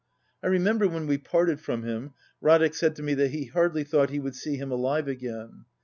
I remember when we parted from him, Radek said to me that he hardly thought he would see him alive again.